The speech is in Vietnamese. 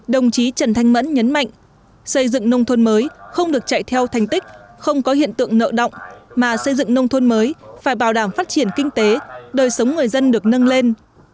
đồng chí trần thanh mẫn nhấn mạnh xây dựng nông thôn mới không được chạy theo thành tích không có hiện tượng nợ động mà xây dựng nông thôn mới phải bảo đảm phát triển kinh tế đời sống người dân được nâng lên